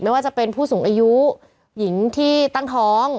ว่าจะเป็นผู้สูงอายุหญิงที่ตั้งท้อง